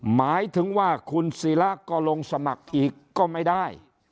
หมายถึงว่าคุณศิระก็ลงสมัครอีกก็ไม่ได้